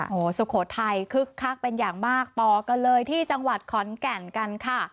โอ้โหสุโขทัยคึกคักเป็นอย่างมากต่อกันเลยที่จังหวัดขอนแก่นกันค่ะ